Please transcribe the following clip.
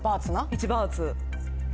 １バーツ。